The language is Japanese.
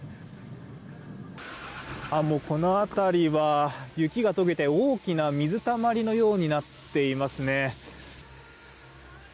この辺りは雪が解けて大きな水たまりのようになっていますね。